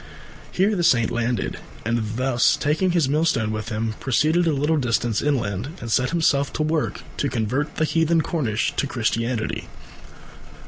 Here the Saint landed, and, taking his millstone with him, proceeded a little distance inland and set himself to work to convert the heathen Cornish to Christianity.